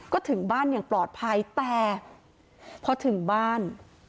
ก็ถึงบ้านอย่างปลอดภัยแต่พอถึงบ้าน